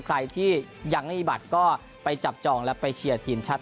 ใครที่ยังไม่มีบัตรก็ไปจับจองและไปเชียร์ทีมชาติ